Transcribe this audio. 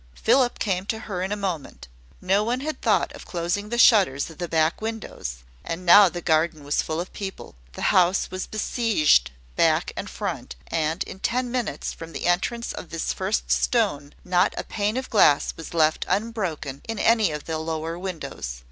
Philip came to her in a moment. No one had thought of closing the shutters of the back windows; and now the garden was full of people. The house was besieged back and front; and, in ten minutes from the entrance of this first stone, not a pane of glass was left unbroken in any of the lower windows.